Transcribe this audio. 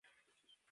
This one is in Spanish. Fue elegido augur.